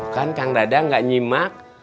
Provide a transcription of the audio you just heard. kan kang dada nggak nyimak